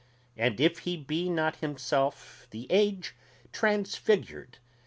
and if he be not himself the age transfigured